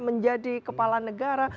menjadi kepala negara